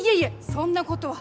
そんなことは。